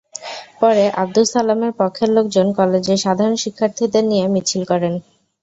পরে আবদুস সালামের পক্ষের লোকজন কলেজের সাধারণ শিক্ষার্থীদের নিয়ে মিছিল করেন।